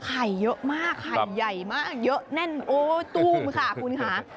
ไข่เยอะมากไข่ใหญ่มากเยอะแน่นโอ้ตู้มค่ะคุณค่ะ